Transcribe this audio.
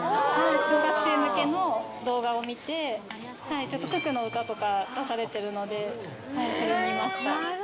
小学生向けの動画を見て、九九の歌とか出されてるので、それを見ました。